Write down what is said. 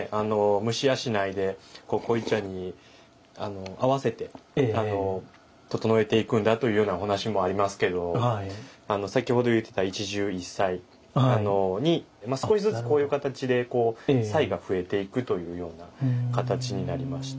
虫養いで濃茶に合わせて整えていくんだというようなお話もありますけど先ほど言ってた一汁一菜に少しずつこういう形でこう菜が増えていくというような形になりまして。